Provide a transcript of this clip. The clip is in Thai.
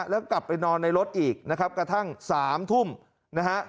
แล้วกลับไปนอนในรถอีกนะครับกระทั่ง๓ทุ่มนะฮะ